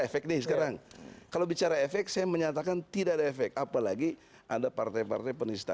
efek segera kalau bicara efek semenée katakan tidak efek apalagi ada partai partai penishta